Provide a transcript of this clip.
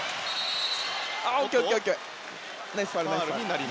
ナイスファウル。